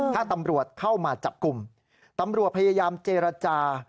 ถ้าตำรวจเข้ามาจับกลุ่มตำรวจพยายามเจรจา